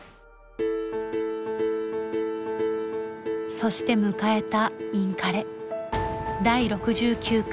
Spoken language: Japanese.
そして迎えたインカレ。